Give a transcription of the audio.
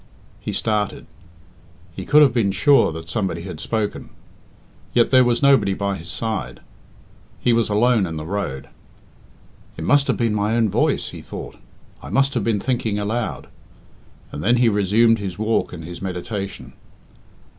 He started. He could have been sure that somebody had spoken. Yet there was nobody by his side. He was alone in the road. "It must have been my own voice," he thought. "I must have been thinking aloud." And then he resumed his walk and his meditation.